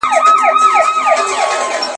له نظمونو یم بېزاره له دېوانه یمه ستړی.